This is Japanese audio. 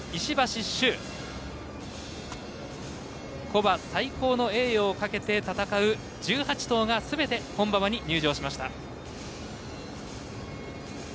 古馬最高の栄誉をかけて戦う１８頭がすべて本馬場に入場しました。